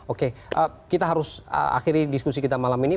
oke kita harus akhiri diskusi kita malam ini